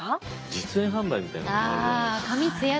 実演販売みたいなものあるじゃないですか。